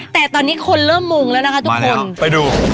แต่ตอนนี้คนเริ่มมุงแล้วนะคะทุกคนไปดู